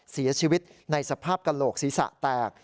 เสียชีวิตในสภาพกระโหลกศีรษะแตก